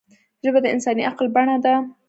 ژبه د انساني عقل بڼه ده